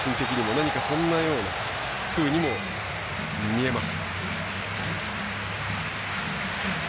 何かそんなようなふうにも見えます。